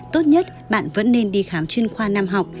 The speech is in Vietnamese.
tốt nhất bạn vẫn nên đi khám chuyên khoa năm học